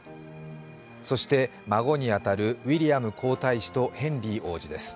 そして孫に当たるウィリアム皇太子とヘンリー王子です。